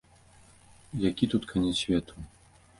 Які тут канец свету.